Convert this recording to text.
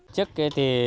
trước kia thì